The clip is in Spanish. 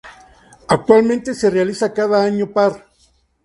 Actualmente se realiza cada año par.